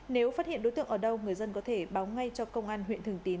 nếu phát hiện đối tượng ở đâu người dân có thể báo ngay cho công an huyện thường tín